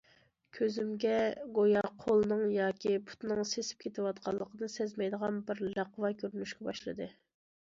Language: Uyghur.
كۆزۈمگە گويا قولنىڭ ياكى پۇتنىڭ سېسىپ كېتىۋاتقانلىقىنى سەزمەيدىغان بىر لەقۋا كۆرۈنۈشكە باشلىدى.